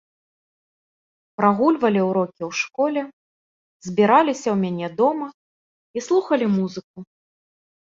Прагульвалі урокі ў школе, збіраліся ў мяне дома і слухалі музыку.